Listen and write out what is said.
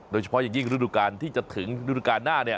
โดยเฉพาะอย่างยิ่งรุดการณ์ที่จะถึงรุดการณ์หน้าเนี่ย